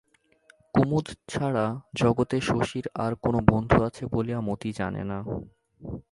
কুমুদ ছাড়া জগতে শশীর আর কোনো বন্ধু আছে বলিয়া মতি জানে না।